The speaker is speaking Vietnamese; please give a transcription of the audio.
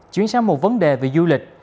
chuyến sang một vấn đề về du lịch